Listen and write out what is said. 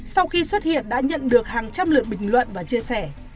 sau khi xuất hiện đã nhận được hàng trăm lượt bình luận và chia sẻ